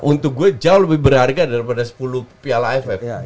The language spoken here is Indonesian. untuk gue jauh lebih berharga daripada sepuluh piala aff